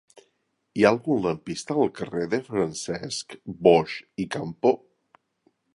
Hi ha algun lampista al carrer de Francesc Boix i Campo?